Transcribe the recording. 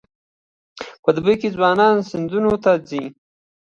په دوبي کې ځوانان سیندونو ته ځي.